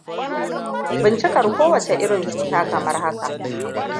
Bincikar kowande irin cuta kamar haka: